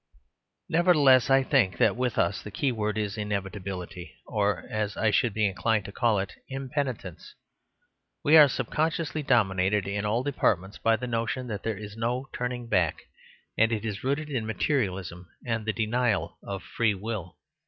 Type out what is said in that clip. Nevertheless, I think that with us the keyword is "inevitability," or, as I should be inclined to call it, "impenitence." We are subconsciously dominated in all departments by the notion that there is no turning back, and it is rooted in materialism and the denial of free will.